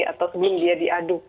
atau sebelum dia diaduk